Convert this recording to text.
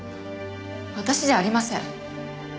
私じゃありません。